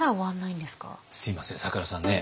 すみません咲楽さんね